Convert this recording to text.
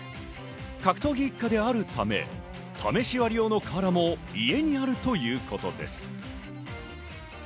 格闘技一家であるため、試し割り用の瓦も家にあるということです。